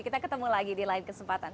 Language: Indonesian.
kita ketemu lagi di lain kesempatan